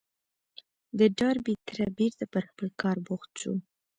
د ډاربي تره بېرته پر خپل کار بوخت شو.